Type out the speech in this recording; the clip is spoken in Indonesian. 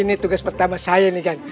ini tugas pertama saya nih gan